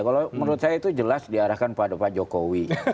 kalau menurut saya itu jelas diarahkan pada pak jokowi